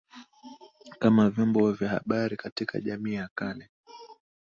Kama vyombo vya habari katika jamii za kale